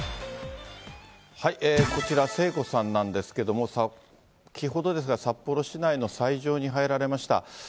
こちら、聖子さんなんですけれども、先ほどですが、札幌市内の斎場に入られました。